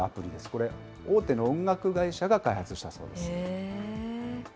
これ、大手の音楽会社が開発したそうです。